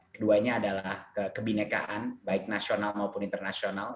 keduanya adalah kebinekaan baik nasional maupun internasional